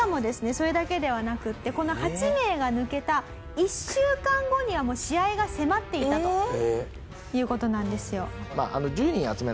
それだけではなくってこの８名が抜けた１週間後にはもう試合が迫っていたという事なんですよ。